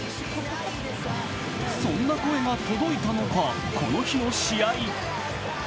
そんな声が届いたのか、この日の試合。